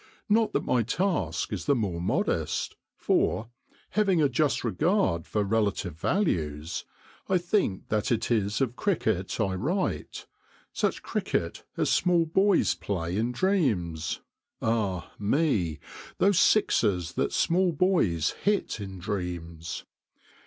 Not that my task is the more modest, for, having a just regard for relative values, I think that it is of cricket I write, such cricket as small boys play in dreams (ah, me, those sixes that small boys hit in dreams